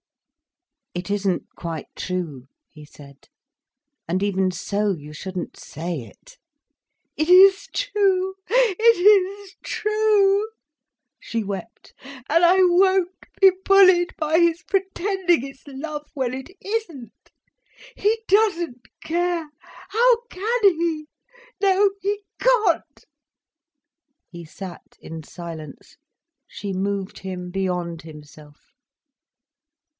"It isn't quite true," he said. "And even so, you shouldn't say it." "It is true—it is true," she wept, "and I won't be bullied by his pretending it's love—when it isn't—he doesn't care, how can he—no, he can't—" He sat in silence. She moved him beyond himself.